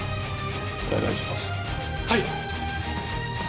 はい！